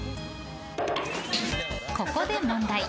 ここで問題！